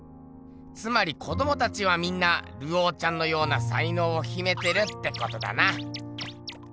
つまり子どもたちはみんなルオーちゃんのような才のうをひめてるってことだな。